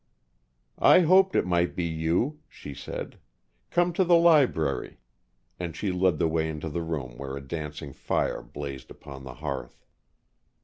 "I hoped It might be you," she said. "Come to the library." And she led the way into the room where a dancing fire blazed upon the hearth.